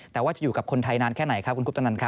แต่ว่าจะอยู่กับคนไทยนานแค่ไหนครับคุณคุปตนันครับ